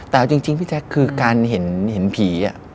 แต่เอาจริงพี่แจ๊คคือการเห็นผี